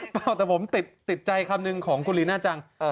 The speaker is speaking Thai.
เปล่าแต่ผมติดใจคำหนึ่งของคุณลีน่าจัง